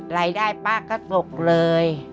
รายได้ป้าก็ตกเลย